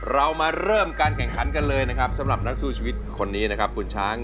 เรามาเริ่มการแข่งขันกันเลยนะครับสำหรับนักสู้ชีวิตคนนี้นะครับคุณช้าง